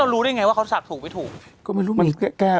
เรารู้ได้ไงว่าเขาสักถูกไปถูก